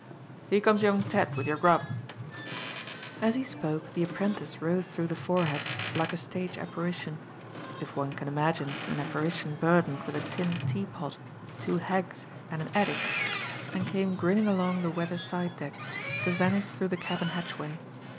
Here comes young Ted with your grub." As he spoke the apprentice rose through the fore hatch like a stage apparition if one can imagine an apparition burdened with a tin tea pot, two "heggs" and an "'addick" and came grinning along the weather side deck, to vanish through the cabin hatchway.